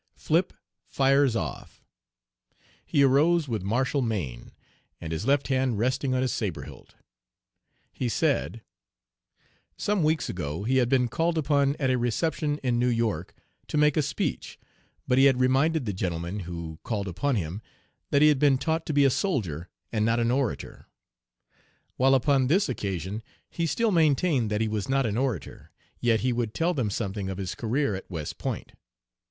FRIP FIRES OFF. He arose with martial mien, and his left hand resting on his sabre hilt. He said: "'Some weeks ago he had been called upon at a reception in New York to make a speech, but he had reminded the gentleman who called upon him that he had been taught to be a soldier and not an orator. While upon this occasion he still maintained that lie was not an orator, yet he would tell them something of his career at West Point.